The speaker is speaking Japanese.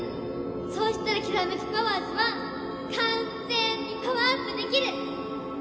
そうしたらキラメキパワーズは完ッ全にパワーアップできる！